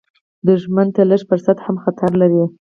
دښمن ته لږ فرصت هم خطر لري